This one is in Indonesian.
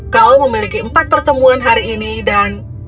kau memiliki empat pertemuan hari ini dan